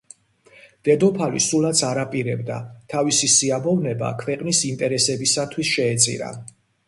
დედოფალი სულაც არ აპირებდა თავისი სიამოვნება ქვეყნის ინტერესებისათვის შეეწირა.